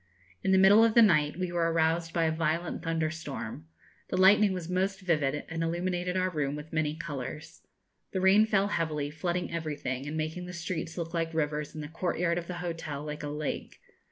In the middle of the night we were aroused by a violent thunderstorm. The lightning was most vivid, and illuminated our room with many colours. The rain fell heavily, flooding everything, and making the streets look like rivers, and the courtyard of the hotel like a lake.